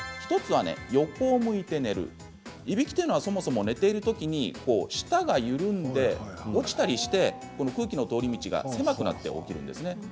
１つは横を向いて寝るいびきというのは、そもそも寝ているときに舌が緩んで落ちたりして空気の通り道が狭くなって起きるんですね。